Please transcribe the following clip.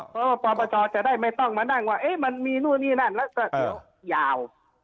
เพราะว่าปปชจะได้ไม่ต้องมานั่งว่ามันมีนู่นนี่นั่นแล้วก็เดี๋ยวยาว